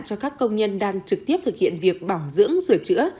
cho các công nhân đang trực tiếp thực hiện việc bảo dưỡng sửa chữa